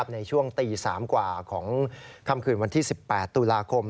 ในช่วงตี๓กว่าของค่ำคืนวันที่๑๘ตุลาคม